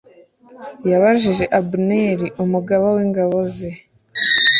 yabajije Abuneri umugaba w’ingabo ze